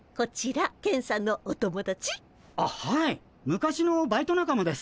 昔のバイト仲間です。